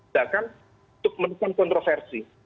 sehingga untuk mendukung kontroversi